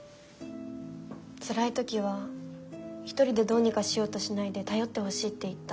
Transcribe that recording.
つらい時は一人でどうにかしようとしないで頼ってほしいって言った。